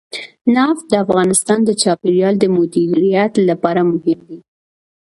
نفت د افغانستان د چاپیریال د مدیریت لپاره مهم دي.